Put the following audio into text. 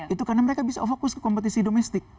itu karena mereka bisa fokus ke kompetisi domestik